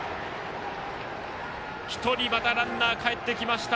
１人、ランナーかえってきました。